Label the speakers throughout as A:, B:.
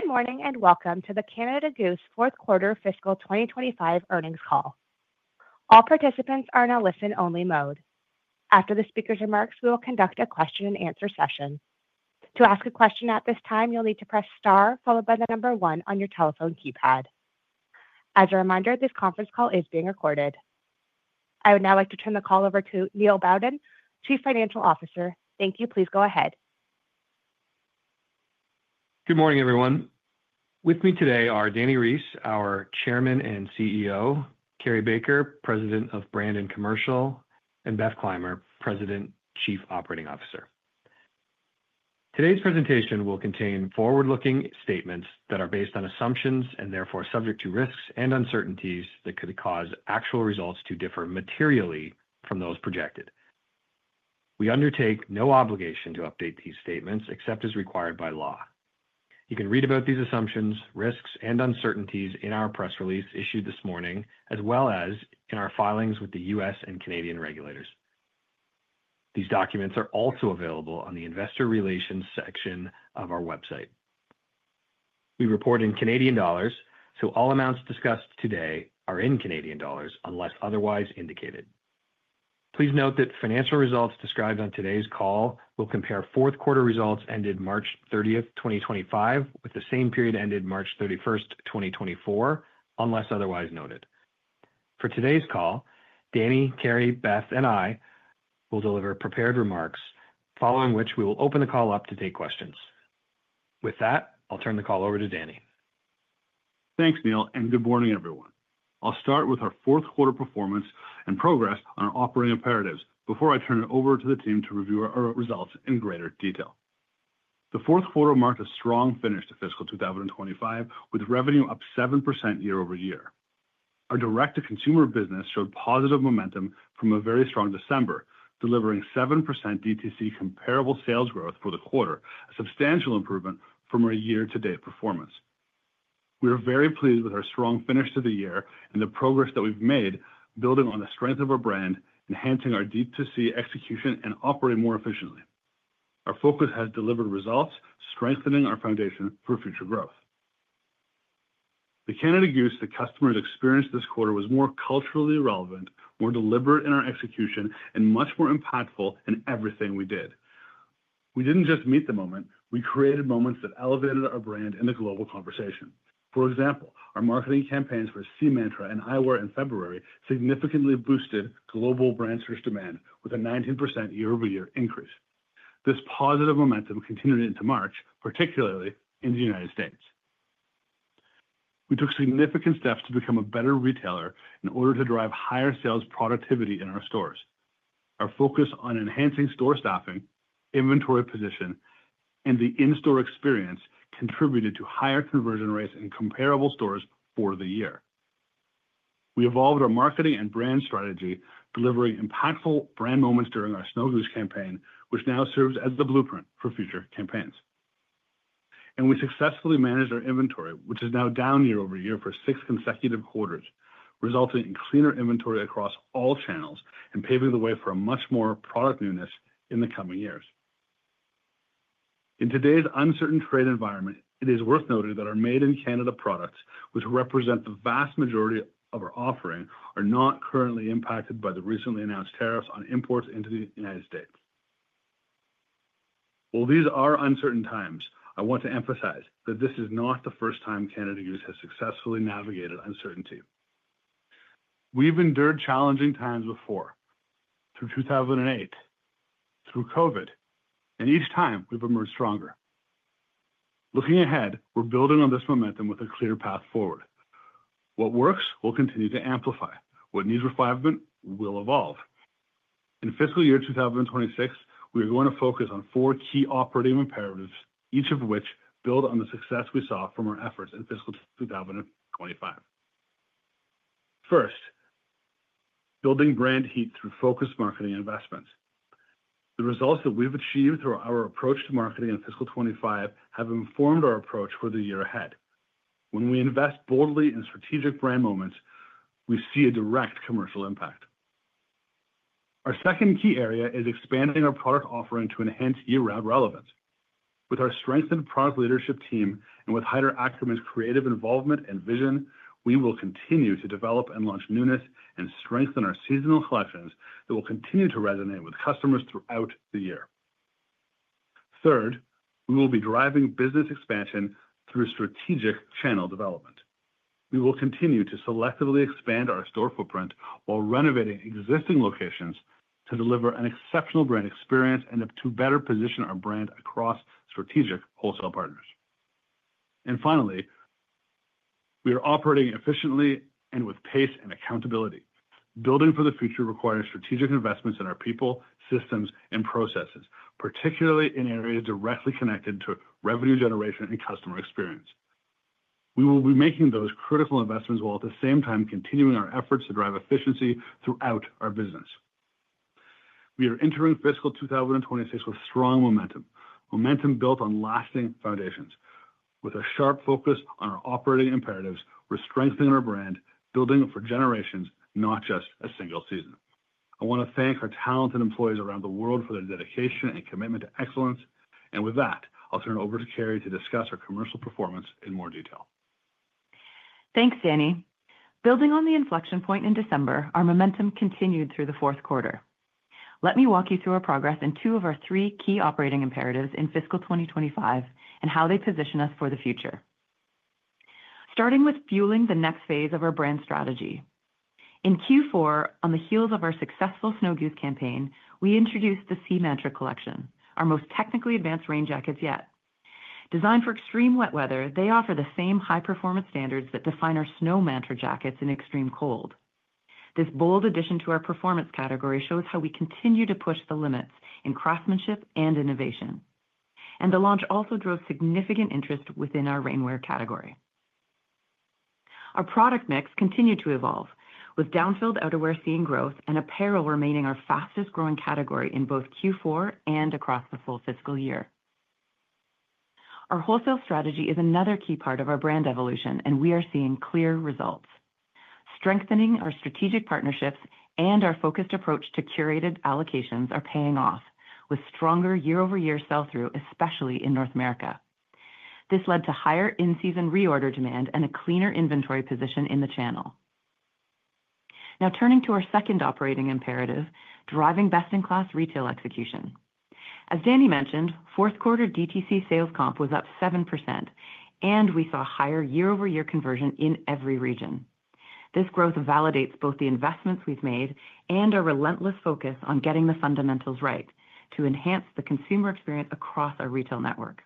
A: Good morning and welcome to the Canada Goose fourth quarter fiscal 2025 earnings call. All participants are in a listen-only mode. After the speaker's remarks, we will conduct a question-and-answer session. To ask a question at this time, you'll need to press star followed by the number one on your telephone keypad. As a reminder, this conference call is being recorded. I would now like to turn the call over to Neil Bowden, Chief Financial Officer. Thank you. Please go ahead.
B: Good morning, everyone. With me today are Dani Reiss, our Chairman and CEO; Carrie Baker, President of Brand Commercial; and Beth Clymer, President, Chief Operating Officer. Today's presentation will contain forward-looking statements that are based on assumptions and therefore subject to risks and uncertainties that could cause actual results to differ materially from those projected. We undertake no obligation to update these statements except as required by law. You can read about these assumptions, risks, and uncertainties in our press release issued this morning, as well as in our filings with the U.S. and Canadian regulators. These documents are also available on the Investor Relations section of our website. We report in CAD, so all amounts discussed today are in CAD unless otherwise indicated. Please note that financial results described on today's call will compare fourth quarter results ended March 30, 2025, with the same period ended March 31, 2024, unless otherwise noted. For today's call, Dani, Carrie, Beth, and I will deliver prepared remarks, following which we will open the call up to take questions. With that, I'll turn the call over to Danny.
C: Thanks, Neil, and good morning, everyone. I'll start with our fourth quarter performance and progress on our operating imperatives before I turn it over to the team to review our results in greater detail. The fourth quarter marked a strong finish to fiscal 2025, with revenue up 7% year-over-year. Our direct-to-consumer business showed positive momentum from a very strong December, delivering 7% DTC comparable sales growth for the quarter, a substantial improvement from our year-to-date performance. We are very pleased with our strong finish to the year and the progress that we've made, building on the strength of our brand, enhancing our DTC execution, and operating more efficiently. Our focus has delivered results, strengthening our foundation for future growth. The Canada Goose that customers experienced this quarter was more culturally relevant, more deliberate in our execution, and much more impactful in everything we did. We did not just meet the moment; we created moments that elevated our brand in the global conversation. For example, our marketing campaigns for Sea Mantra and Eyewear in February significantly boosted global brand search demand with a 19% year-over-year increase. This positive momentum continued into March, particularly in the United States. We took significant steps to become a better retailer in order to drive higher sales productivity in our stores. Our focus on enhancing store staffing, inventory position, and the in-store experience contributed to higher conversion rates in comparable stores for the year. We evolved our marketing and brand strategy, delivering impactful brand moments during our Snow Goose campaign, which now serves as the blueprint for future campaigns. We successfully managed our inventory, which is now down year over year for six consecutive quarters, resulting in cleaner inventory across all channels and paving the way for much more product newness in the coming years. In today's uncertain trade environment, it is worth noting that our made-in-Canada products, which represent the vast majority of our offering, are not currently impacted by the recently announced tariffs on imports into the U.S. While these are uncertain times, I want to emphasize that this is not the first time Canada Goose has successfully navigated uncertainty. We have endured challenging times before, through 2008, through COVID, and each time we have emerged stronger. Looking ahead, we are building on this momentum with a clear path forward. What works will continue to amplify. What needs refinement will evolve. In fiscal year 2026, we are going to focus on four key operating imperatives, each of which builds on the success we saw from our efforts in fiscal 2025. First, building brand heat through focused marketing investments. The results that we've achieved through our approach to marketing in fiscal 2025 have informed our approach for the year ahead. When we invest boldly in strategic brand moments, we see a direct commercial impact. Our second key area is expanding our product offering to enhance year-round relevance. With our strengthened product leadership team and with Haider Ackermann's creative involvement and vision, we will continue to develop and launch newness and strengthen our seasonal selections that will continue to resonate with customers throughout the year. Third, we will be driving business expansion through strategic channel development. We will continue to selectively expand our store footprint while renovating existing locations to deliver an exceptional brand experience and to better position our brand across strategic wholesale partners. Finally, we are operating efficiently and with pace and accountability. Building for the future requires strategic investments in our people, systems, and processes, particularly in areas directly connected to revenue generation and customer experience. We will be making those critical investments while at the same time continuing our efforts to drive efficiency throughout our business. We are entering fiscal 2026 with strong momentum, momentum built on lasting foundations, with a sharp focus on our operating imperatives, restrengthening our brand, building for generations, not just a single season. I want to thank our talented employees around the world for their dedication and commitment to excellence. I'll turn it over to Carrie to discuss our commercial performance in more detail.
D: Thanks, Dani. Building on the inflection point in December, our momentum continued through the fourth quarter. Let me walk you through our progress in two of our three key operating imperatives in fiscal 2025 and how they position us for the future. Starting with fueling the next phase of our brand strategy. In Q4, on the heels of our successful Snow Goose campaign, we introduced the Sea Mantra collection, our most technically advanced rain jackets yet. Designed for extreme wet weather, they offer the same high-performance standards that define our Snow Mantra jackets in extreme cold. This bold addition to our performance category shows how we continue to push the limits in craftsmanship and innovation. The launch also drove significant interest within our rainwear category. Our product mix continued to evolve, with down-filled outerwear seeing growth and apparel remaining our fastest-growing category in both Q4 and across the full fiscal year. Our wholesale strategy is another key part of our brand evolution, and we are seeing clear results. Strengthening our strategic partnerships and our focused approach to curated allocations are paying off, with stronger year-over-year sell-through, especially in North America. This led to higher in-season reorder demand and a cleaner inventory position in the channel. Now, turning to our second operating imperative, driving best-in-class retail execution. As Danny mentioned, fourth quarter DTC sales comp was up 7%, and we saw higher year-over-year conversion in every region. This growth validates both the investments we've made and our relentless focus on getting the fundamentals right to enhance the consumer experience across our retail network.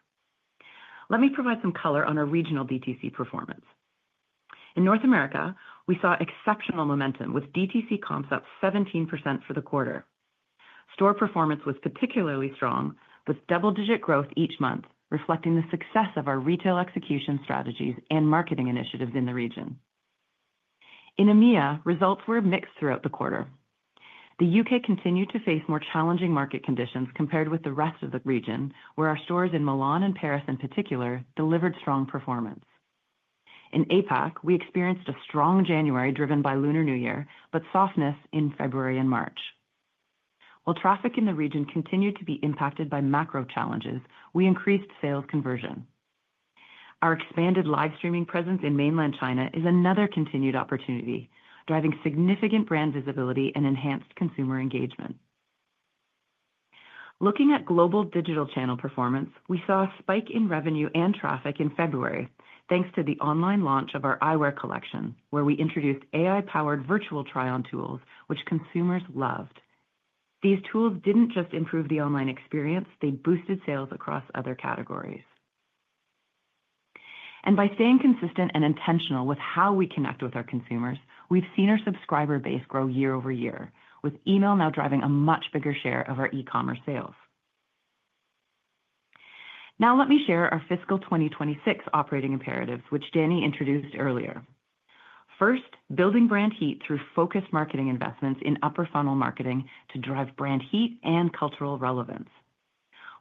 D: Let me provide some color on our regional DTC performance. In North America, we saw exceptional momentum, with DTC comps up 17% for the quarter. Store performance was particularly strong, with double-digit growth each month, reflecting the success of our retail execution strategies and marketing initiatives in the region. In EMEA, results were mixed throughout the quarter. The U.K. continued to face more challenging market conditions compared with the rest of the region, where our stores in Milan and Paris, in particular, delivered strong performance. In APAC, we experienced a strong January driven by Lunar New Year, but softness in February and March. While traffic in the region continued to be impacted by macro challenges, we increased sales conversion. Our expanded live streaming presence in mainland China is another continued opportunity, driving significant brand visibility and enhanced consumer engagement. Looking at global digital channel performance, we saw a spike in revenue and traffic in February, thanks to the online launch of our eyewear collection, where we introduced AI-powered virtual try-on tools, which consumers loved. These tools did not just improve the online experience, they boosted sales across other categories. By staying consistent and intentional with how we connect with our consumers, we have seen our subscriber base grow year over year, with email now driving a much bigger share of our e-commerce sales. Now, let me share our fiscal 2026 operating imperatives, which Dani introduced earlier. First, building brand heat through focused marketing investments in upper-funnel marketing to drive brand heat and cultural relevance.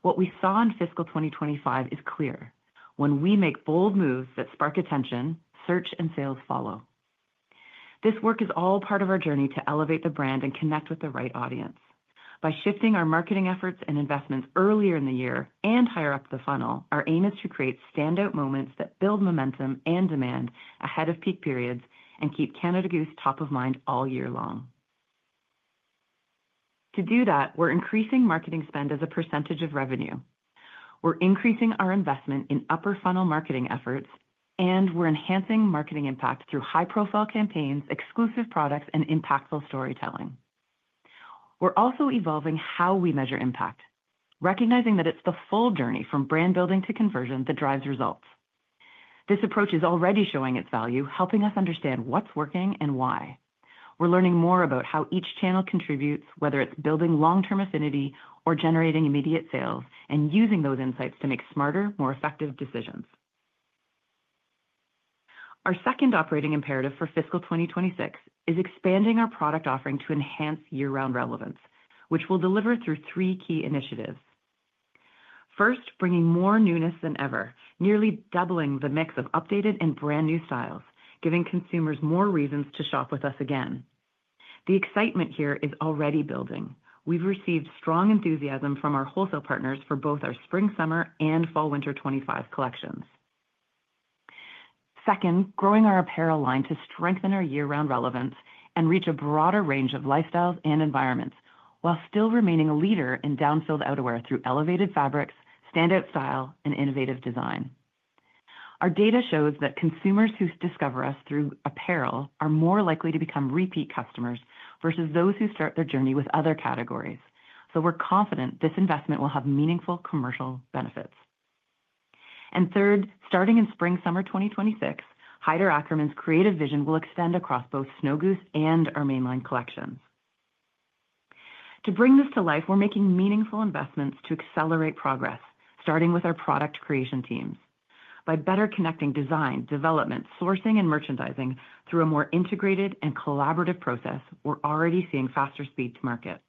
D: What we saw in fiscal 2025 is clear: when we make bold moves that spark attention, search and sales follow. This work is all part of our journey to elevate the brand and connect with the right audience. By shifting our marketing efforts and investments earlier in the year and higher up the funnel, our aim is to create standout moments that build momentum and demand ahead of peak periods and keep Canada Goose top of mind all year long. To do that, we're increasing marketing spend as a percentage of revenue. We're increasing our investment in upper-funnel marketing efforts, and we're enhancing marketing impact through high-profile campaigns, exclusive products, and impactful storytelling. We're also evolving how we measure impact, recognizing that it's the full journey from brand building to conversion that drives results. This approach is already showing its value, helping us understand what's working and why. We're learning more about how each channel contributes, whether it's building long-term affinity or generating immediate sales, and using those insights to make smarter, more effective decisions. Our second operating imperative for fiscal 2026 is expanding our product offering to enhance year-round relevance, which we'll deliver through three key initiatives. First, bringing more newness than ever, nearly doubling the mix of updated and brand new styles, giving consumers more reasons to shop with us again. The excitement here is already building. We've received strong enthusiasm from our wholesale partners for both our spring, summer, and fall/winter 2025 collections. Second, growing our apparel line to strengthen our year-round relevance and reach a broader range of lifestyles and environments while still remaining a leader in down-filled outerwear through elevated fabrics, standout style, and innovative design. Our data shows that consumers who discover us through apparel are more likely to become repeat customers versus those who start their journey with other categories. We are confident this investment will have meaningful commercial benefits. Third, starting in spring/summer 2026, Haider Ackermann's creative vision will extend across both Snow Goose and our mainline collections. To bring this to life, we are making meaningful investments to accelerate progress, starting with our product creation teams. By better connecting design, development, sourcing, and merchandising through a more integrated and collaborative process, we are already seeing faster speeds to market.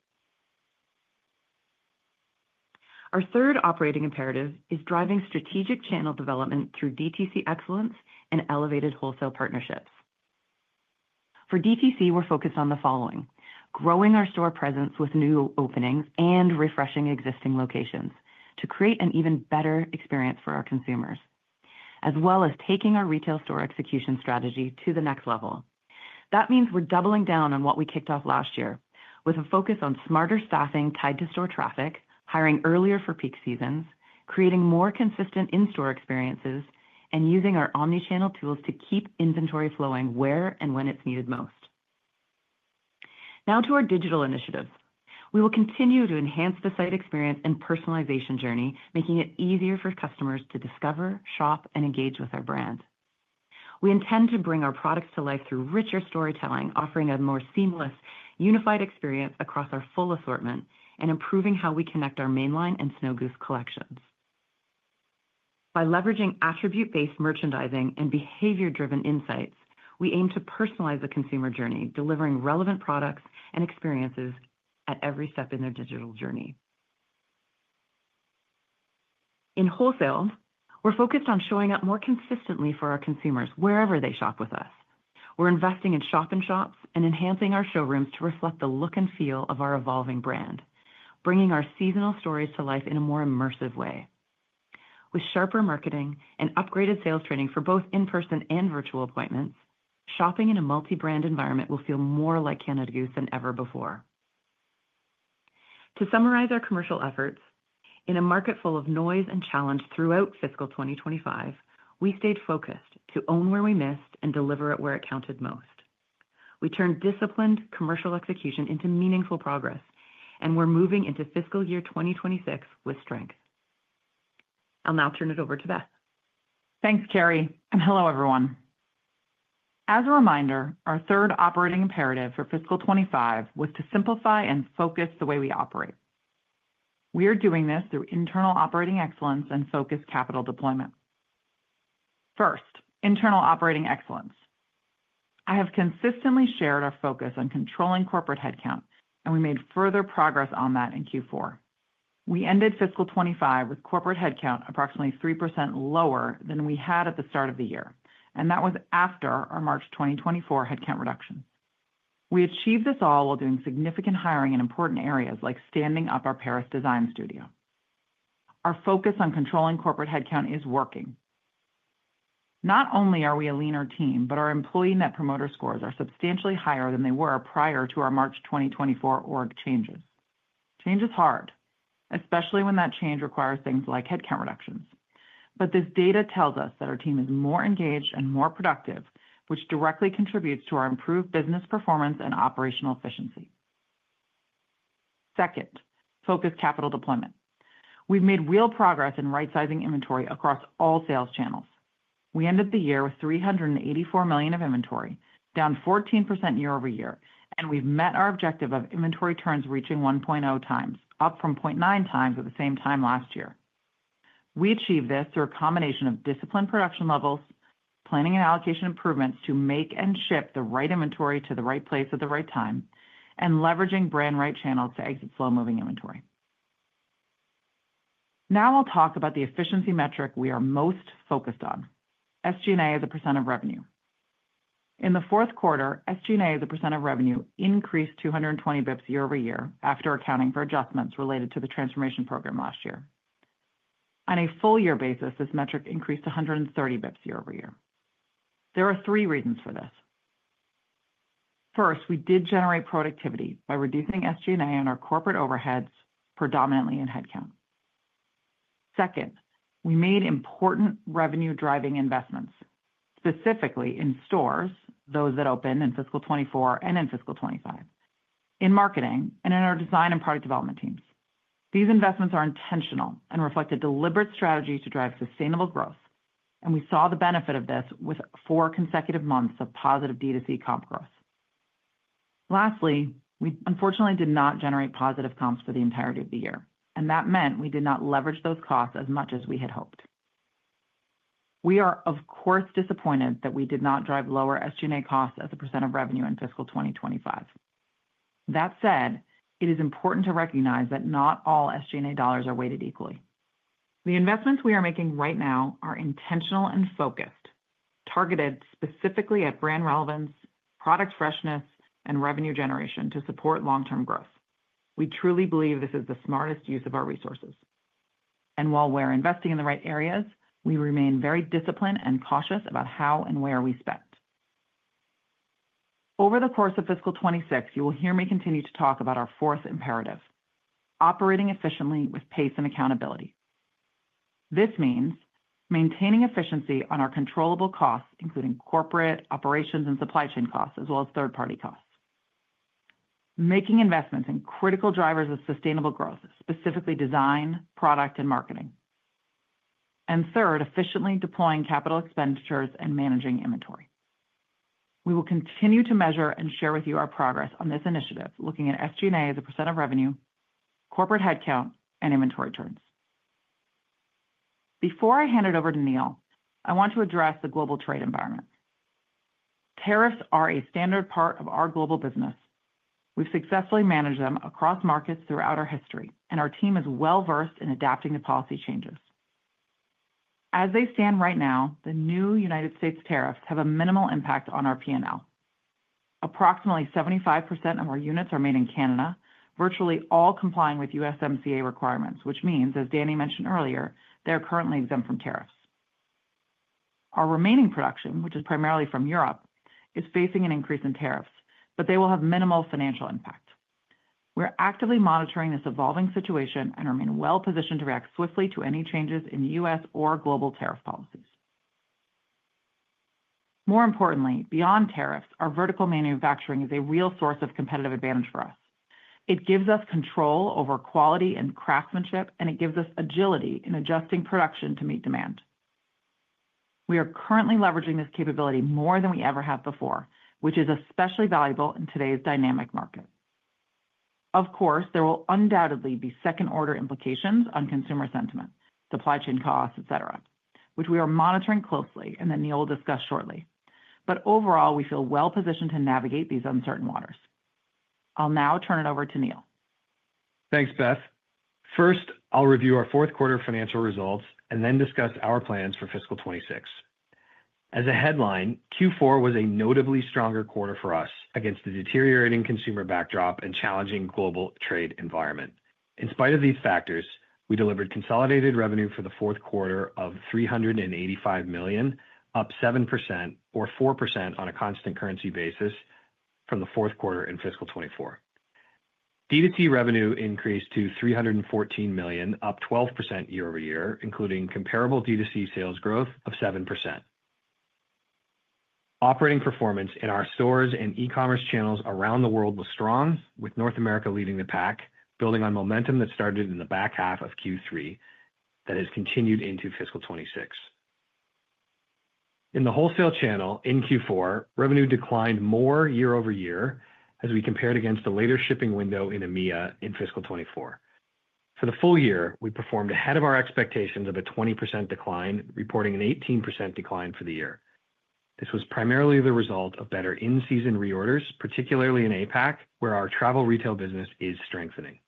D: Our third operating imperative is driving strategic channel development through DTC excellence and elevated wholesale partnerships. For DTC, we're focused on the following: growing our store presence with new openings and refreshing existing locations to create an even better experience for our consumers, as well as taking our retail store execution strategy to the next level. That means we're doubling down on what we kicked off last year, with a focus on smarter staffing tied to store traffic, hiring earlier for peak seasons, creating more consistent in-store experiences, and using our omnichannel tools to keep inventory flowing where and when it's needed most. Now to our digital initiatives. We will continue to enhance the site experience and personalization journey, making it easier for customers to discover, shop, and engage with our brand. We intend to bring our products to life through richer storytelling, offering a more seamless, unified experience across our full assortment, and improving how we connect our mainline and Snow Goose collections. By leveraging attribute-based merchandising and behavior-driven insights, we aim to personalize the consumer journey, delivering relevant products and experiences at every step in their digital journey. In wholesale, we're focused on showing up more consistently for our consumers wherever they shop with us. We're investing in shop-in shops and enhancing our showrooms to reflect the look and feel of our evolving brand, bringing our seasonal stories to life in a more immersive way. With sharper marketing and upgraded sales training for both in-person and virtual appointments, shopping in a multi-brand environment will feel more like Canada Goose than ever before. To summarize our commercial efforts, in a market full of noise and challenge throughout fiscal 2025, we stayed focused to own where we missed and deliver at where it counted most. We turned disciplined commercial execution into meaningful progress, and we're moving into fiscal year 2026 with strength. I'll now turn it over to Beth.
E: Thanks, Carrie. Hello, everyone. As a reminder, our third operating imperative for fiscal 2025 was to simplify and focus the way we operate. We are doing this through internal operating excellence and focused capital deployment. First, internal operating excellence. I have consistently shared our focus on controlling corporate headcount, and we made further progress on that in Q4. We ended fiscal 2025 with corporate headcount approximately 3% lower than we had at the start of the year, and that was after our March 2024 headcount reduction. We achieved this all while doing significant hiring in important areas like standing up our Paris design studio. Our focus on controlling corporate headcount is working. Not only are we a leaner team, but our employee net promoter scores are substantially higher than they were prior to our March 2024 org changes. Change is hard, especially when that change requires things like headcount reductions. This data tells us that our team is more engaged and more productive, which directly contributes to our improved business performance and operational efficiency. Second, focused capital deployment. We have made real progress in right-sizing inventory across all sales channels. We ended the year with 384 million of inventory, down 14% year over year, and we have met our objective of inventory turns reaching 1.0 times, up from 0.9 times at the same time last year. We achieved this through a combination of disciplined production levels, planning and allocation improvements to make and ship the right inventory to the right place at the right time, and leveraging brand right channels to exit slow-moving inventory. Now I will talk about the efficiency metric we are most focused on: SG&A as a percent of revenue. In the fourth quarter, SG&A as a percent of revenue increased 220 basis points year over year after accounting for adjustments related to the transformation program last year. On a full-year basis, this metric increased 130 basis points year over year. There are three reasons for this. First, we did generate productivity by reducing SG&A on our corporate overheads, predominantly in headcount. Second, we made important revenue-driving investments, specifically in stores, those that opened in fiscal 2024 and in fiscal 2025, in marketing, and in our design and product development teams. These investments are intentional and reflect a deliberate strategy to drive sustainable growth, and we saw the benefit of this with four consecutive months of positive DTC comp growth. Lastly, we unfortunately did not generate positive comps for the entirety of the year, and that meant we did not leverage those costs as much as we had hoped. We are, of course, disappointed that we did not drive lower SG&A costs as a % of revenue in fiscal 2025. That said, it is important to recognize that not all SG&A dollars are weighted equally. The investments we are making right now are intentional and focused, targeted specifically at brand relevance, product freshness, and revenue generation to support long-term growth. We truly believe this is the smartest use of our resources. While we're investing in the right areas, we remain very disciplined and cautious about how and where we spend. Over the course of fiscal 2026, you will hear me continue to talk about our fourth imperative: operating efficiently with pace and accountability. This means maintaining efficiency on our controllable costs, including corporate, operations, and supply chain costs, as well as third-party costs. Making investments in critical drivers of sustainable growth, specifically design, product, and marketing. Third, efficiently deploying capital expenditures and managing inventory. We will continue to measure and share with you our progress on this initiative, looking at SG&A as a % of revenue, corporate headcount, and inventory turns. Before I hand it over to Neil, I want to address the global trade environment. Tariffs are a standard part of our global business. We've successfully managed them across markets throughout our history, and our team is well-versed in adapting to policy changes. As they stand right now, the new U.S. tariffs have a minimal impact on our P&L. Approximately 75% of our units are made in Canada, virtually all complying with USMCA requirements, which means, as Dani mentioned earlier, they are currently exempt from tariffs. Our remaining production, which is primarily from Europe, is facing an increase in tariffs, but they will have minimal financial impact. We're actively monitoring this evolving situation and remain well-positioned to react swiftly to any changes in U.S. or global tariff policies. More importantly, beyond tariffs, our vertical manufacturing is a real source of competitive advantage for us. It gives us control over quality and craftsmanship, and it gives us agility in adjusting production to meet demand. We are currently leveraging this capability more than we ever have before, which is especially valuable in today's dynamic market. Of course, there will undoubtedly be second-order implications on consumer sentiment, supply chain costs, etc., which we are monitoring closely, and Neil will discuss shortly. Overall, we feel well-positioned to navigate these uncertain waters. I'll now turn it over to Neil.
B: Thanks, Beth. First, I'll review our fourth quarter financial results and then discuss our plans for fiscal 2026. As a headline, Q4 was a notably stronger quarter for us against the deteriorating consumer backdrop and challenging global trade environment. In spite of these factors, we delivered consolidated revenue for the fourth quarter of 385 million, up 7% or 4% on a constant currency basis from the fourth quarter in fiscal 2024. DTC revenue increased to 314 million, up 12% year over year, including comparable DTC sales growth of 7%. Operating performance in our stores and e-commerce channels around the world was strong, with North America leading the pack, building on momentum that started in the back half of Q3 that has continued into fiscal 2026. In the wholesale channel in Q4, revenue declined more year over year as we compared against the later shipping window in EMEA in fiscal 2024. For the full year, we performed ahead of our expectations of a 20% decline, reporting an 18% decline for the year. This was primarily the result of better in-season reorders, particularly in APAC, where our travel retail business is strengthening.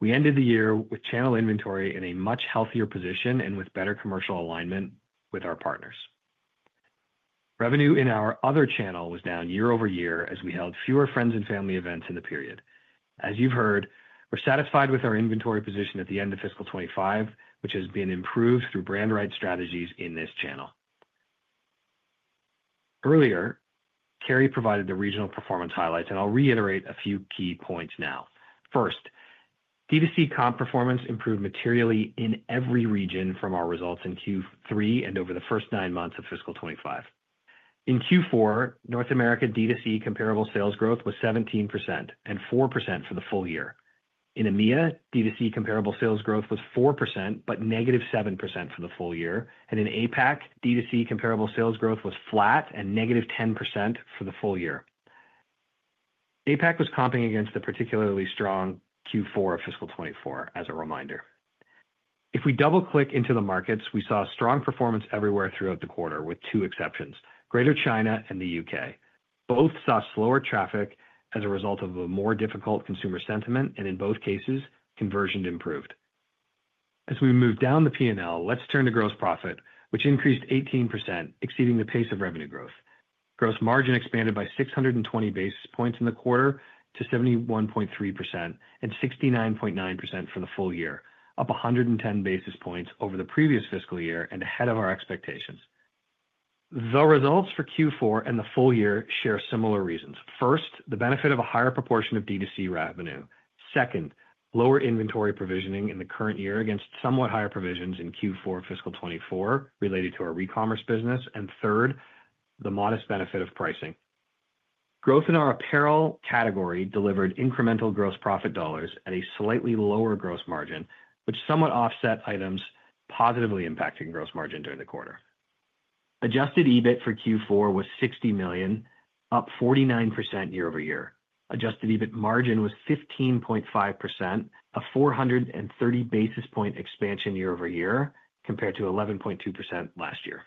B: We ended the year with channel inventory in a much healthier position and with better commercial alignment with our partners. Revenue in our other channel was down year over year as we held fewer friends and family events in the period. As you have heard, we are satisfied with our inventory position at the end of fiscal 2025, which has been improved through brand right strategies in this channel. Earlier, Carrie provided the regional performance highlights, and I will reiterate a few key points now. First, DTC comp performance improved materially in every region from our results in Q3 and over the first nine months of fiscal 2025. In Q4, North America DTC comparable sales growth was 17% and 4% for the full year. In EMEA, DTC comparable sales growth was 4% but negative 7% for the full year, and in APAC, DTC comparable sales growth was flat and negative 10% for the full year. APAC was comping against the particularly strong Q4 of fiscal 2024, as a reminder. If we double-click into the markets, we saw strong performance everywhere throughout the quarter, with two exceptions: Greater China and the U.K. Both saw slower traffic as a result of a more difficult consumer sentiment, and in both cases, conversion improved. As we move down the P&L, let's turn to gross profit, which increased 18%, exceeding the pace of revenue growth. Gross margin expanded by 620 basis points in the quarter to 71.3% and 69.9% for the full year, up 110 basis points over the previous fiscal year and ahead of our expectations. The results for Q4 and the full year share similar reasons. First, the benefit of a higher proportion of DTC revenue. Second, lower inventory provisioning in the current year against somewhat higher provisions in Q4 fiscal 2024 related to our e-commerce business. Third, the modest benefit of pricing. Growth in our apparel category delivered incremental gross profit dollars at a slightly lower gross margin, which somewhat offset items positively impacting gross margin during the quarter. Adjusted EBIT for Q4 was 60 million, up 49% year over year. Adjusted EBIT margin was 15.5%, a 430 basis point expansion year over year compared to 11.2% last year.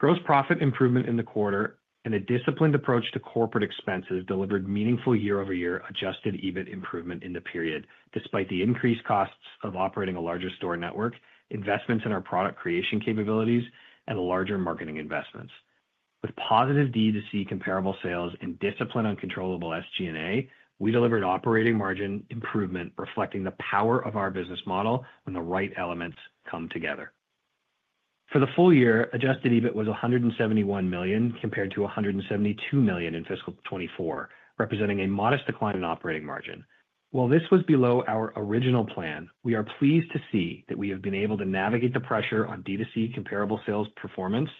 B: Gross profit improvement in the quarter and a disciplined approach to corporate expenses delivered meaningful year-over-year adjusted EBIT improvement in the period, despite the increased costs of operating a larger store network, investments in our product creation capabilities, and larger marketing investments. With positive DTC comparable sales and discipline on controllable SG&A, we delivered operating margin improvement, reflecting the power of our business model when the right elements come together. For the full year, adjusted EBIT was 171 million compared to 172 million in fiscal 2024, representing a modest decline in operating margin. While this was below our original plan, we are pleased to see that we have been able to navigate the pressure on DTC comparable sales performance,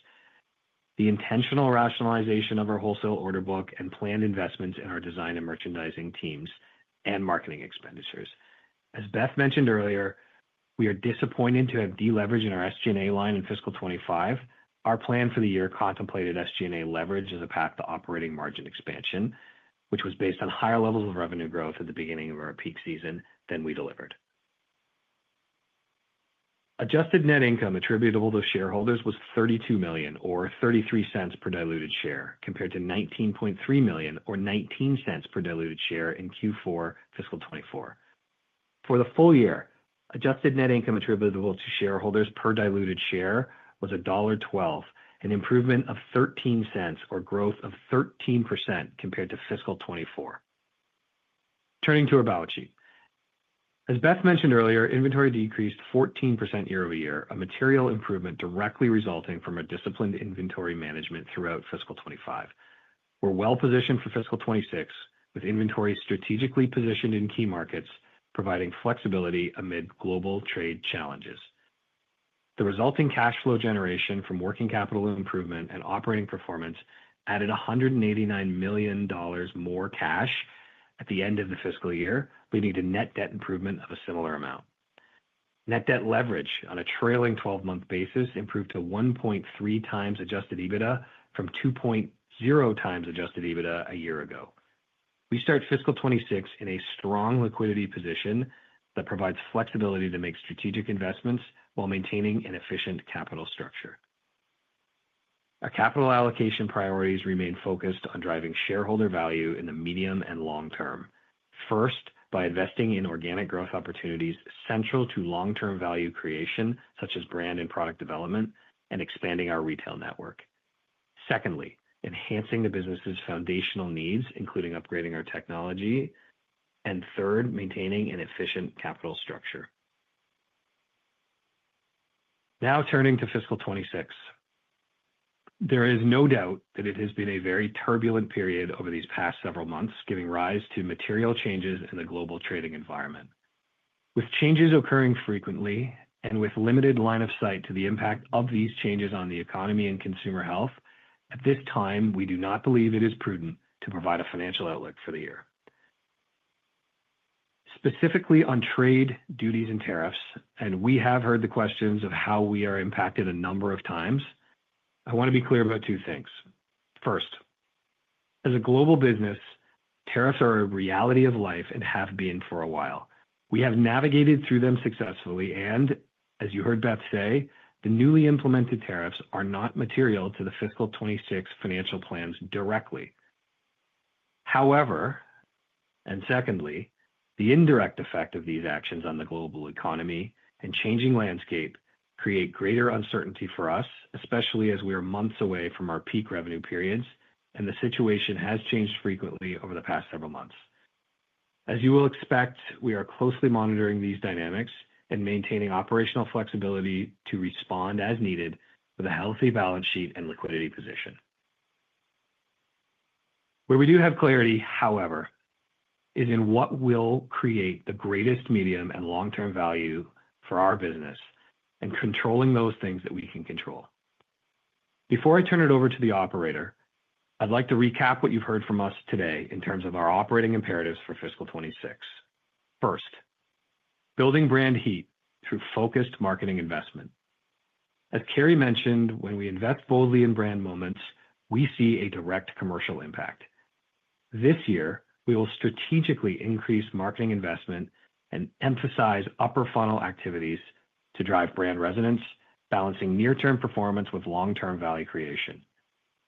B: the intentional rationalization of our wholesale order book, and planned investments in our design and merchandising teams and marketing expenditures. As Beth mentioned earlier, we are disappointed to have deleveraged in our SG&A line in fiscal 2025. Our plan for the year contemplated SG&A leverage as a path to operating margin expansion, which was based on higher levels of revenue growth at the beginning of our peak season than we delivered. Adjusted net income attributable to shareholders was 32 million or 0.33 per diluted share, compared to 19.3 million or 0.19 per diluted share in Q4 fiscal 2024. For the full year, adjusted net income attributable to shareholders per diluted share was dollar 1.12, an improvement of 0.13 or growth of 13% compared to fiscal 2024. Turning to our balance sheet. As Beth mentioned earlier, inventory decreased 14% year over year, a material improvement directly resulting from our disciplined inventory management throughout fiscal 2025. We're well-positioned for fiscal 2026, with inventory strategically positioned in key markets, providing flexibility amid global trade challenges. The resulting cash flow generation from working capital improvement and operating performance added 189 million dollars more cash at the end of the fiscal year, leading to net debt improvement of a similar amount. Net debt leverage on a trailing 12-month basis improved to 1.3 times adjusted EBITDA from 2.0 times adjusted EBITDA a year ago. We start fiscal 2026 in a strong liquidity position that provides flexibility to make strategic investments while maintaining an efficient capital structure. Our capital allocation priorities remain focused on driving shareholder value in the medium and long term. First, by investing in organic growth opportunities central to long-term value creation, such as brand and product development, and expanding our retail network. Secondly, enhancing the business's foundational needs, including upgrading our technology. Third, maintaining an efficient capital structure. Now turning to fiscal 2026. There is no doubt that it has been a very turbulent period over these past several months, giving rise to material changes in the global trading environment. With changes occurring frequently and with limited line of sight to the impact of these changes on the economy and consumer health, at this time, we do not believe it is prudent to provide a financial outlook for the year. Specifically on trade, duties, and tariffs, and we have heard the questions of how we are impacted a number of times, I want to be clear about two things. First, as a global business, tariffs are a reality of life and have been for a while. We have navigated through them successfully, and as you heard Beth say, the newly implemented tariffs are not material to the fiscal 2026 financial plans directly. However, and secondly, the indirect effect of these actions on the global economy and changing landscape create greater uncertainty for us, especially as we are months away from our peak revenue periods, and the situation has changed frequently over the past several months. As you will expect, we are closely monitoring these dynamics and maintaining operational flexibility to respond as needed with a healthy balance sheet and liquidity position. Where we do have clarity, however, is in what will create the greatest medium and long-term value for our business and controlling those things that we can control. Before I turn it over to the operator, I'd like to recap what you've heard from us today in terms of our operating imperatives for fiscal 2026. First, building brand heat through focused marketing investment. As Carrie mentioned, when we invest boldly in brand moments, we see a direct commercial impact. This year, we will strategically increase marketing investment and emphasize upper-funnel activities to drive brand resonance, balancing near-term performance with long-term value creation.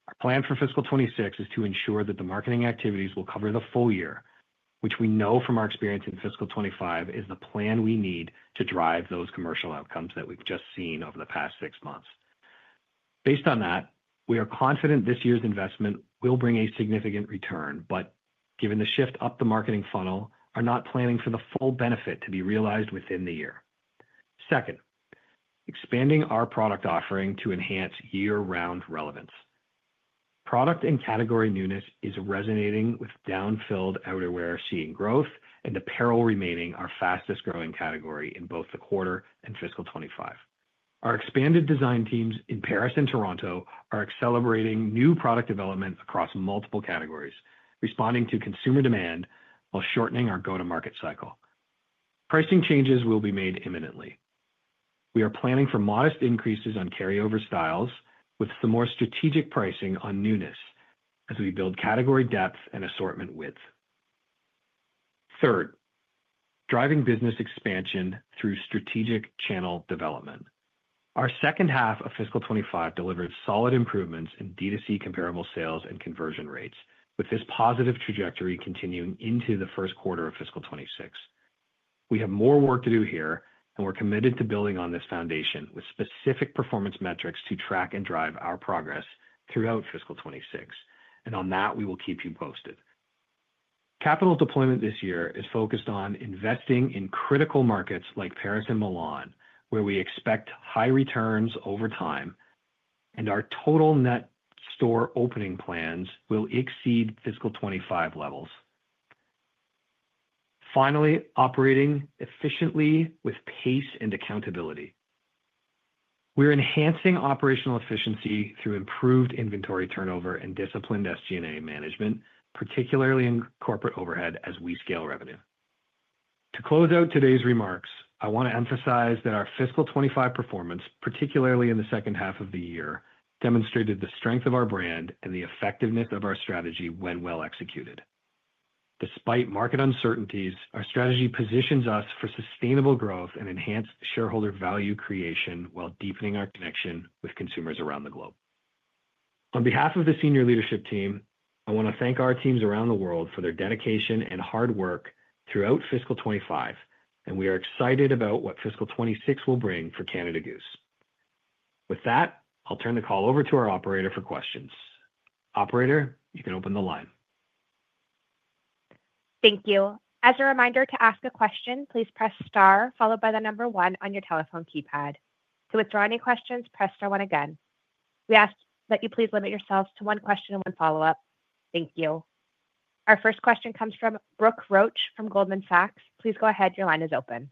B: Our plan for fiscal 2026 is to ensure that the marketing activities will cover the full year, which we know from our experience in fiscal 2025 is the plan we need to drive those commercial outcomes that we've just seen over the past six months. Based on that, we are confident this year's investment will bring a significant return, but given the shift up the marketing funnel, we are not planning for the full benefit to be realized within the year. Second, expanding our product offering to enhance year-round relevance. Product and category newness is resonating with down-filled outerwear seeing growth, and apparel remaining our fastest-growing category in both the quarter and fiscal 2025. Our expanded design teams in Paris and Toronto are accelerating new product development across multiple categories, responding to consumer demand while shortening our go-to-market cycle. Pricing changes will be made imminently. We are planning for modest increases on carryover styles with some more strategic pricing on newness as we build category depth and assortment width. Third, driving business expansion through strategic channel development. Our second half of fiscal 2025 delivered solid improvements in DTC comparable sales and conversion rates, with this positive trajectory continuing into the first quarter of fiscal 2026. We have more work to do here, and we're committed to building on this foundation with specific performance metrics to track and drive our progress throughout fiscal 2026. We will keep you posted. Capital deployment this year is focused on investing in critical markets like Paris and Milan, where we expect high returns over time, and our total net store opening plans will exceed fiscal 2025 levels. Finally, operating efficiently with pace and accountability. We are enhancing operational efficiency through improved inventory turnover and disciplined SG&A management, particularly in corporate overhead as we scale revenue. To close out today's remarks, I want to emphasize that our fiscal 2025 performance, particularly in the second half of the year, demonstrated the strength of our brand and the effectiveness of our strategy when well executed. Despite market uncertainties, our strategy positions us for sustainable growth and enhanced shareholder value creation while deepening our connection with consumers around the globe. On behalf of the senior leadership team, I want to thank our teams around the world for their dedication and hard work throughout fiscal 2025, and we are excited about what fiscal 2026 will bring for Canada Goose. With that, I'll turn the call over to our operator for questions. Operator, you can open the line.
A: Thank you. As a reminder to ask a question, please press star followed by the number one on your telephone keypad. To withdraw any questions, press star one again. We ask that you please limit yourselves to one question and one follow-up. Thank you. Our first question comes from Brooke Roach from Goldman Sachs. Please go ahead. Your line is open.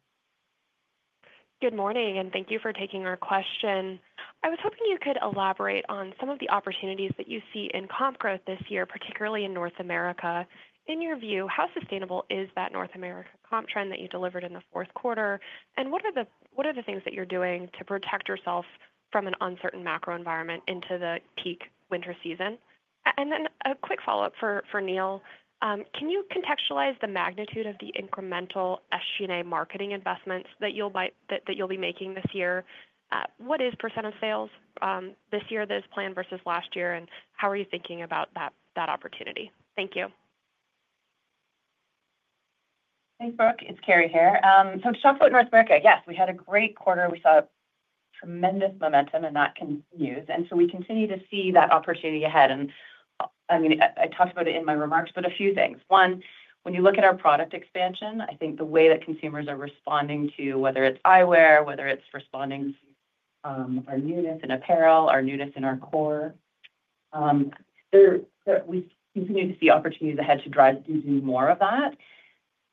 F: Good morning, and thank you for taking our question. I was hoping you could elaborate on some of the opportunities that you see in comp growth this year, particularly in North America. In your view, how sustainable is that North America comp trend that you delivered in the fourth quarter, and what are the things that you're doing to protect yourself from an uncertain macro environment into the peak winter season? A quick follow-up for Neil. Can you contextualize the magnitude of the incremental SG&A marketing investments that you'll be making this year? What is % of sales this year that is planned versus last year, and how are you thinking about that opportunity? Thank you.
D: Thanks, Brooke. It's Carrie here. To talk about North America, yes, we had a great quarter. We saw tremendous momentum, and that continues. We continue to see that opportunity ahead. I mean, I talked about it in my remarks, but a few things. One, when you look at our product expansion, I think the way that consumers are responding to whether it's eyewear, whether it's responding to our newness in apparel, our newness in our core, we continue to see opportunities ahead to drive to do more of that.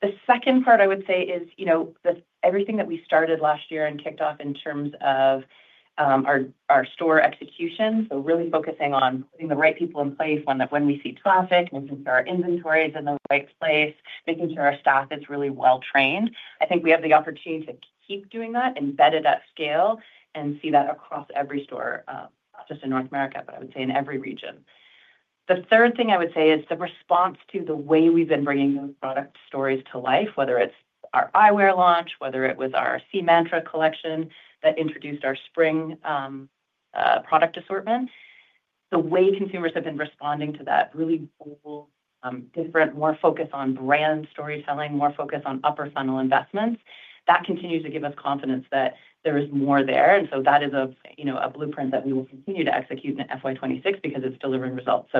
D: The second part I would say is everything that we started last year and kicked off in terms of our store execution, really focusing on putting the right people in place when we see traffic, making sure our inventory is in the right place, making sure our staff is really well trained. I think we have the opportunity to keep doing that, embed it at scale, and see that across every store, not just in North America, but I would say in every region. The third thing I would say is the response to the way we've been bringing those product stories to life, whether it's our eyewear launch, whether it was our Sea Mantra collection that introduced our spring product assortment. The way consumers have been responding to that really bold, different, more focus on brand storytelling, more focus on upper-funnel investments, that continues to give us confidence that there is more there. That is a blueprint that we will continue to execute in FY 2026 because it's delivering results.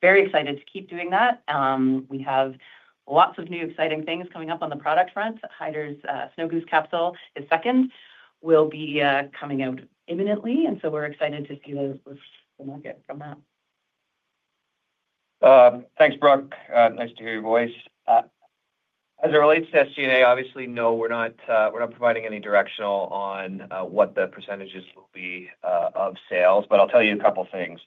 D: Very excited to keep doing that. We have lots of new exciting things coming up on the product front. Haider's Snow Goose capsule is second, will be coming out imminently, and we are excited to see the market from that.
B: Thanks, Brooke. Nice to hear your voice. As it relates to SG&A, obviously, no, we're not providing any directional on what the percentages will be of sales, but I'll tell you a couple of things.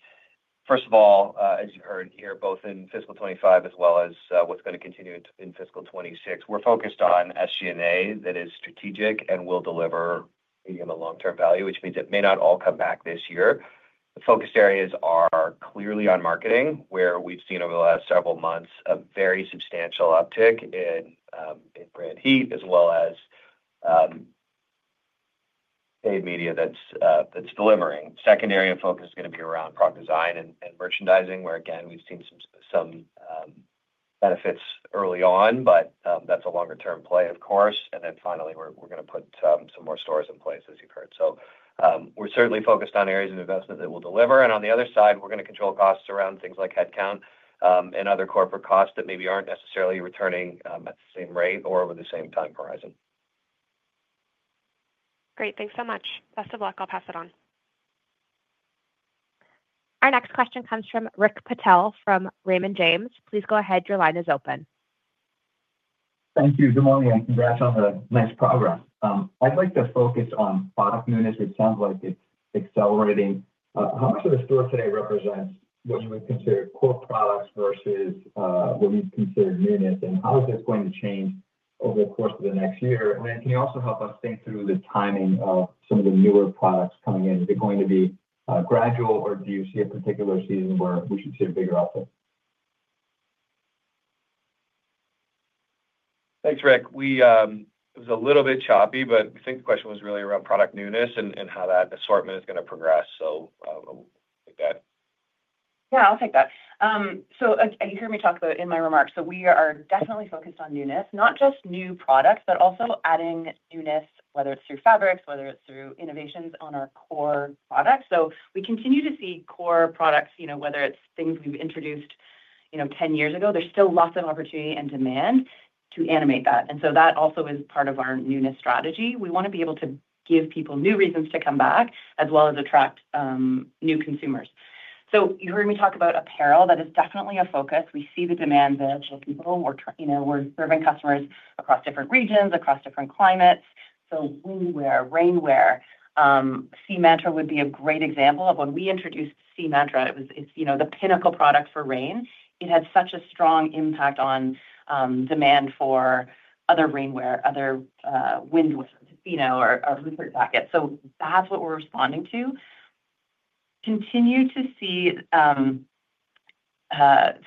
B: First of all, as you heard here, both in fiscal 2025 as well as what's going to continue in fiscal 2026, we're focused on SG&A that is strategic and will deliver medium and long-term value, which means it may not all come back this year. The focus areas are clearly on marketing, where we've seen over the last several months a very substantial uptick in brand heat, as well as paid media that's delivering. Second area of focus is going to be around product design and merchandising, where, again, we've seen some benefits early on, but that's a longer-term play, of course. Finally, we're going to put some more stores in place, as you've heard. We're certainly focused on areas of investment that will deliver. On the other side, we're going to control costs around things like headcount and other corporate costs that maybe aren't necessarily returning at the same rate or over the same time horizon.
F: Great. Thanks so much. Best of luck. I'll pass it on.
A: Our next question comes from Rick Patel from Raymond James. Please go ahead. Your line is open.
G: Thank you. Good morning. Congrats on the nice program. I'd like to focus on product newness. It sounds like it's accelerating. How much of the store today represents what you would consider core products versus what you'd consider newness, and how is this going to change over the course of the next year? Can you also help us think through the timing of some of the newer products coming in? Is it going to be gradual, or do you see a particular season where we should see a bigger uptick?
B: Thanks, Rick. It was a little bit choppy, but I think the question was really around product newness and how that assortment is going to progress.
D: I'll take that. Yeah, I'll take that. You heard me talk about in my remarks. We are definitely focused on newness, not just new products, but also adding newness, whether it's through fabrics, whether it's through innovations on our core products. We continue to see core products, whether it's things we've introduced 10 years ago, there's still lots of opportunity and demand to animate that. That also is part of our newness strategy. We want to be able to give people new reasons to come back as well as attract new consumers. You heard me talk about apparel. That is definitely a focus. We see the demand there for people. We are serving customers across different regions, across different climates. Windwear, rainwear, Sea Mantra would be a great example of when we introduced Sea Mantra. It was the pinnacle product for rain. It had such a strong impact on demand for other rainwear, other wind or hoosier jackets. That is what we are responding to. Continue to see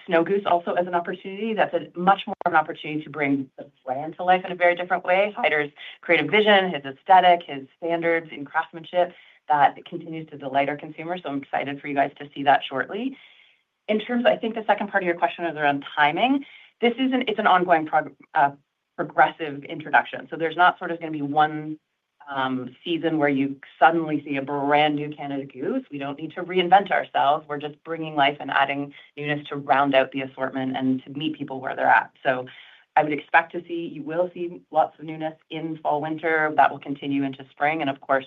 D: Snow Goose also as an opportunity. That is much more of an opportunity to bring the brand to life in a very different way. Haider's creative vision, his aesthetic, his standards in craftsmanship, that continues to delight our consumers. I am excited for you guys to see that shortly. In terms of, I think the second part of your question is around timing. It is an ongoing progressive introduction. There is not sort of going to be one season where you suddenly see a brand new Canada Goose. We do not need to reinvent ourselves. We are just bringing life and adding newness to round out the assortment and to meet people where they are at. I would expect to see you will see lots of newness in fall, winter. That will continue into spring. Of course,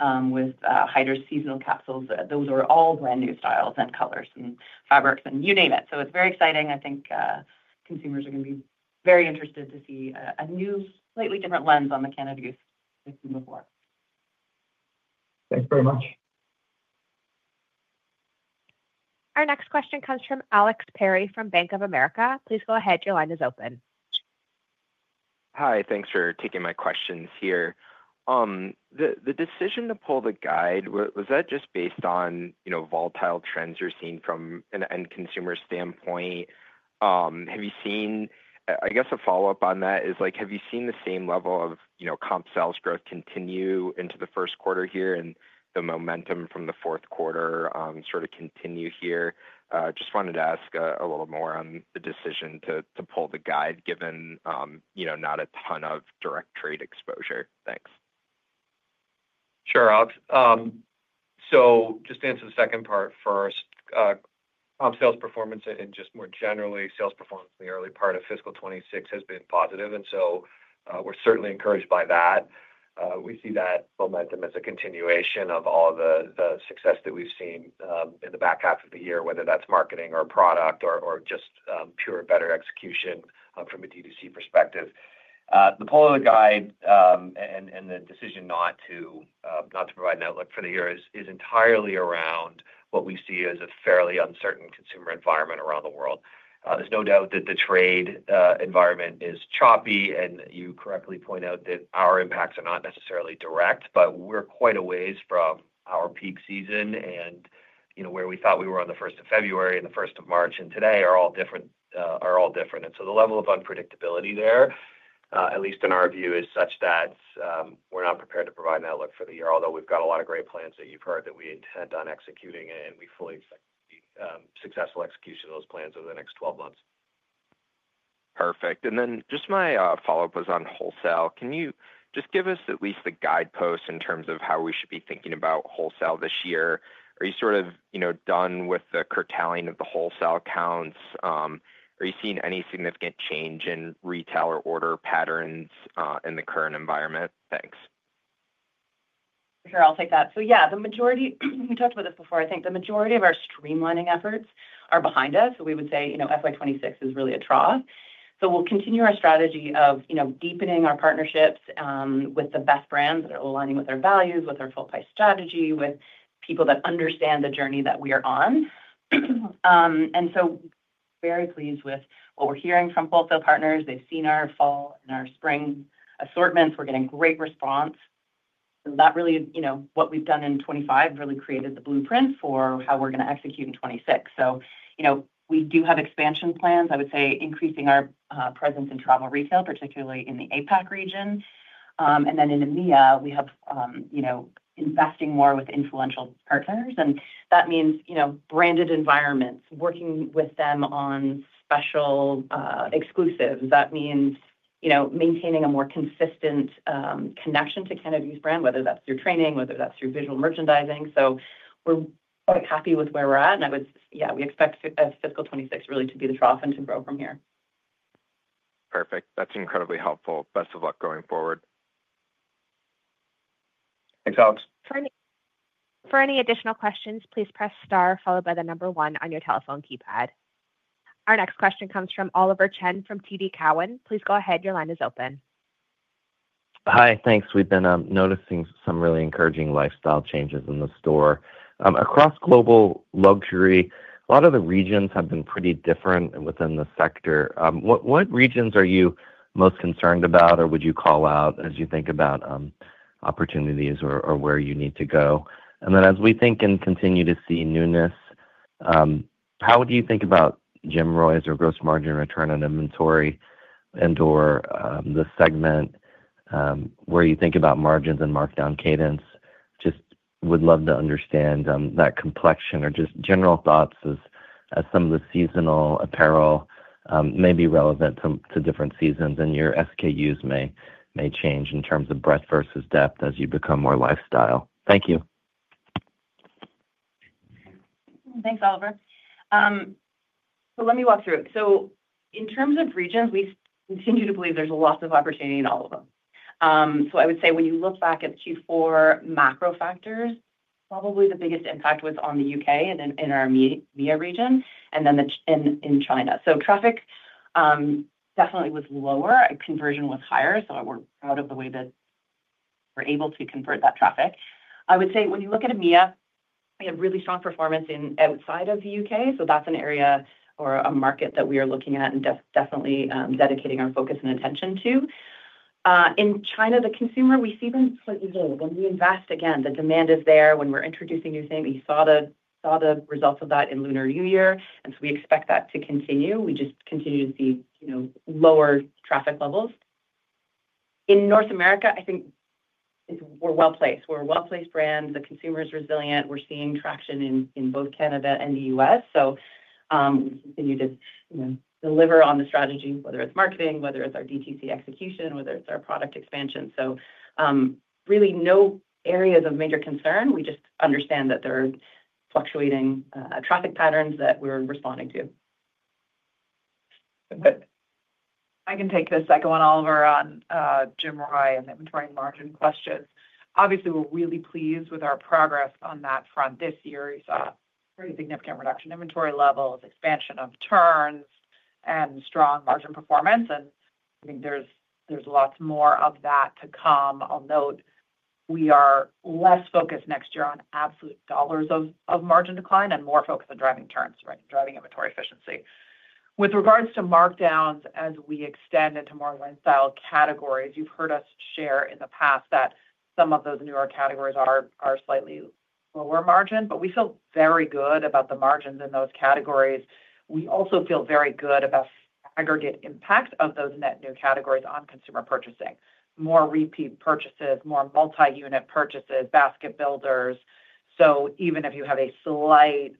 D: with Haider's seasonal capsules, those are all brand new styles and colors and fabrics and you name it. It is very exciting. I think consumers are going to be very interested to see a new, slightly different lens on the Canada Goose than before.
G: Thanks very much.
A: Our next question comes from Alex Perry from Bank of America. Please go ahead. Your line is open. Hi.
H: Thanks for taking my questions here. The decision to pull the guide, was that just based on volatile trends you're seeing from an end consumer standpoint? Have you seen, I guess a follow-up on that is, have you seen the same level of comp sales growth continue into the first quarter here and the momentum from the fourth quarter sort of continue here? Just wanted to ask a little more on the decision to pull the guide given not a ton of direct trade exposure. Thanks.
B: Sure. Just to answer the second part first, comp sales performance and just more generally, sales performance in the early part of fiscal 2026 has been positive. We are certainly encouraged by that. We see that momentum as a continuation of all the success that we've seen in the back half of the year, whether that's marketing or product or just pure better execution from a DTC perspective. The pull of the guide and the decision not to provide an outlook for the year is entirely around what we see as a fairly uncertain consumer environment around the world. There's no doubt that the trade environment is choppy, and you correctly point out that our impacts are not necessarily direct, but we're quite a ways from our peak season and where we thought we were on the 1st of February and the 1st of March and today are all different. The level of unpredictability there, at least in our view, is such that we're not prepared to provide an outlook for the year, although we've got a lot of great plans that you've heard that we intend on executing, and we fully expect successful execution of those plans over the next 12 months.
H: Perfect. And then just my follow-up was on wholesale. Can you just give us at least the guideposts in terms of how we should be thinking about wholesale this year? Are you sort of done with the curtailing of the wholesale counts? Are you seeing any significant change in retailer order patterns in the current environment? Thanks.
D: Sure. I'll take that. Yeah, we talked about this before. I think the majority of our streamlining efforts are behind us. We would say FY2026 is really a draw. We will continue our strategy of deepening our partnerships with the best brands that are aligning with our values, with our full-price strategy, with people that understand the journey that we are on. We are very pleased with what we are hearing from wholesale partners. They have seen our fall and our spring assortments. We are getting great response. That really what we've done in 2025 really created the blueprint for how we're going to execute in 2026. We do have expansion plans. I would say increasing our presence in travel retail, particularly in the APAC region. In EMEA, we have investing more with influential partners. That means branded environments, working with them on special exclusives. That means maintaining a more consistent connection to Canada Goose brand, whether that's through training, whether that's through visual merchandising. We're quite happy with where we're at. Yeah, we expect fiscal 2026 really to be the trough and to grow from here.
H: Perfect. That's incredibly helpful. Best of luck going forward.
B: Thanks, Alex.
A: For any additional questions, please press star followed by the number one on your telephone keypad. Our next question comes from Oliver Chen from TD Cowen. Please go ahead. Your line is open.
I: Hi. Thanks. We've been noticing some really encouraging lifestyle changes in the store. Across global luxury, a lot of the regions have been pretty different within the sector. What regions are you most concerned about or would you call out as you think about opportunities or where you need to go? As we think and continue to see newness, how do you think about GMROI or gross margin return on inventory and/or the segment where you think about margins and markdown cadence? Just would love to understand that complexion or just general thoughts as some of the seasonal apparel may be relevant to different seasons and your SKUs may change in terms of breadth versus depth as you become more lifestyle. Thank you.
D: Thanks, Oliver. Let me walk through it. In terms of regions, we continue to believe there's lots of opportunity in all of them. I would say when you look back at Q4 macro factors, probably the biggest impact was on the U.K. and in our EMEA region and then in China. Traffic definitely was lower. Conversion was higher. We are proud of the way that we are able to convert that traffic. I would say when you look at EMEA, we have really strong performance outside of the U.K. That is an area or a market that we are looking at and definitely dedicating our focus and attention to. In China, the consumer, we see them slightly lower. When we invest, again, the demand is there when we are introducing new things. We saw the results of that in Lunar New Year, and we expect that to continue. We just continue to see lower traffic levels. In North America, I think we are well-placed. We are a well-placed brand. The consumer is resilient. We're seeing traction in both Canada and the U.S. We continue to deliver on the strategy, whether it's marketing, whether it's our DTC execution, whether it's our product expansion. Really no areas of major concern. We just understand that there are fluctuating traffic patterns that we're responding to.
E: I can take this second one, Oliver, on GMROI and inventory and margin questions. Obviously, we're really pleased with our progress on that front this year. You saw a pretty significant reduction in inventory levels, expansion of turns, and strong margin performance. I think there's lots more of that to come. I'll note we are less focused next year on absolute dollars of margin decline and more focused on driving turns, right, driving inventory efficiency. With regards to markdowns, as we extend into more lifestyle categories, you've heard us share in the past that some of those newer categories are slightly lower margin, but we feel very good about the margins in those categories. We also feel very good about the aggregate impact of those net new categories on consumer purchasing: more repeat purchases, more multi-unit purchases, basket builders. Even if you have a slight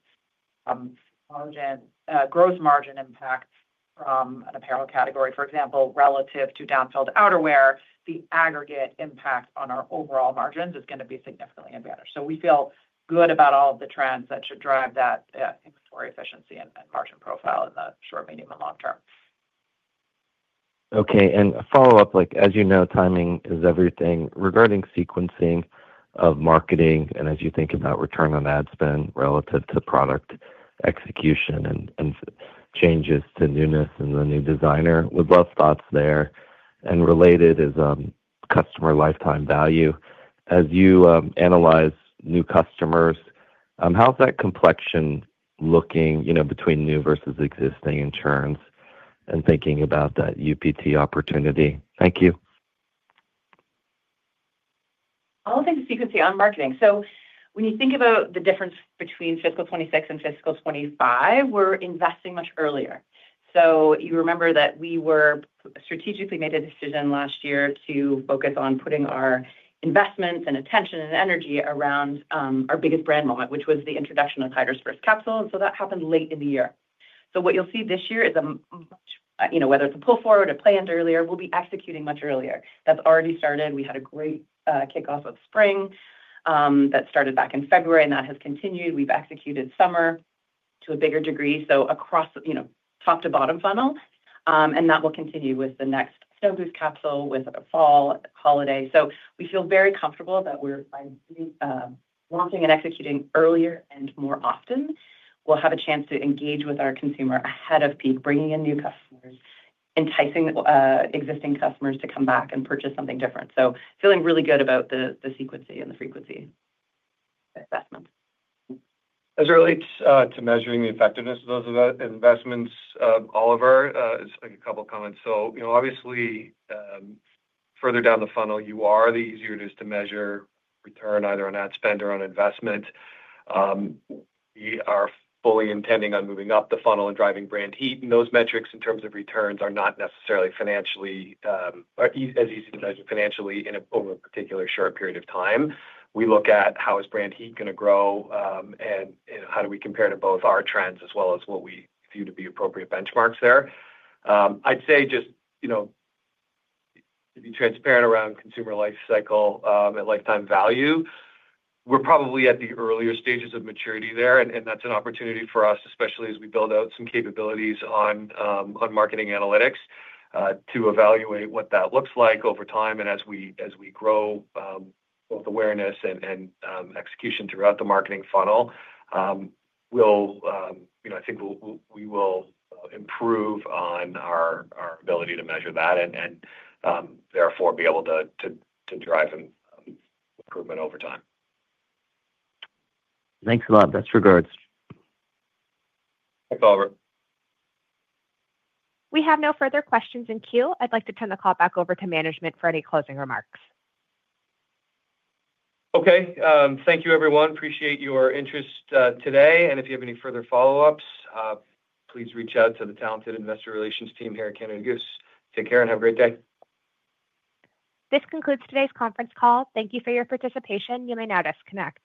E: gross margin impact from an apparel category, for example, relative to down-filled outerwear, the aggregate impact on our overall margins is going to be significantly better. We feel good about all of the trends that should drive that inventory efficiency and margin profile in the short, medium, and long term.
I: Okay. A follow-up, as you know, timing is everything. Regarding sequencing of marketing and as you think about return on ad spend relative to product execution and changes to newness and the new designer, we'd love thoughts there. Related is customer lifetime value. As you analyze new customers, how's that complexion looking between new versus existing in turns and thinking about that UPT opportunity? Thank you.
D: All things you can see on marketing. When you think about the difference between fiscal 2026 and fiscal 2025, we're investing much earlier. You remember that we strategically made a decision last year to focus on putting our investments and attention and energy around our biggest brand moment, which was the introduction of Haider's first capsule. That happened late in the year. What you'll see this year is a much, whether it's a pull forward or a planned earlier, we'll be executing much earlier. That's already started. We had a great kickoff of spring that started back in February, and that has continued. We've executed summer to a bigger degree, so across the top-to-bottom funnel. That will continue with the next Snow Goose capsule with a fall holiday. We feel very comfortable that we're launching and executing earlier and more often. We'll have a chance to engage with our consumer ahead of peak, bringing in new customers, enticing existing customers to come back and purchase something different. Feeling really good about the sequency and the frequency investment.
B: As it relates to measuring the effectiveness of those investments, Oliver, just a couple of comments. Obviously, further down the funnel you are, the easier it is to measure return either on ad spend or on investment. We are fully intending on moving up the funnel and driving brand heat. Those metrics in terms of returns are not necessarily as easy to measure financially over a particular short period of time. We look at how is brand heat going to grow and how do we compare to both our trends as well as what we view to be appropriate benchmarks there. I'd say just to be transparent around consumer lifecycle and lifetime value, we're probably at the earlier stages of maturity there. That's an opportunity for us, especially as we build out some capabilities on marketing analytics to evaluate what that looks like over time. As we grow both awareness and execution throughout the marketing funnel, I think we will improve on our ability to measure that and therefore be able to drive improvement over time.
I: Thanks a lot. Best regards.
B: Thanks, Oliver.
A: We have no further questions in queue. I'd like to turn the call back over to management for any closing remarks.
B: Okay. Thank you, everyone. Appreciate your interest today. If you have any further follow-ups, please reach out to the talented investor relations team here at Canada Goose. Take care and have a great day.
A: This concludes today's conference call. Thank you for your participation. You may now disconnect.